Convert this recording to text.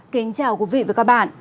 kính chào quý vị và các bạn